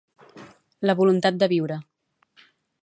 La voluntat de viure